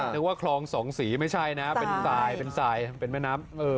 นึกว่าคลองสองสีไม่ใช่นะเป็นสายเป็นสายเป็นแม่น้ำ